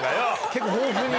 結構豊富に。